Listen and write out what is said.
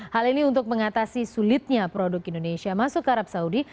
hal ini untuk mengatasi sulitnya produk indonesia masuk ke arab saudi